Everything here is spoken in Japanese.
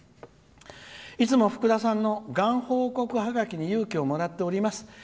「いつも、ふくださんのがん報告ハガキに勇気をもらっております。